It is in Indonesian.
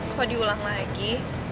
kok diulang lagi